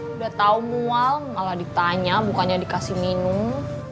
sudah tahu mau malah ditanya bukannya dikasih minum